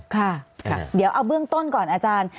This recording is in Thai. ค่ะเดี๋ยวเอาเบื้องต้นก่อนอาจารย์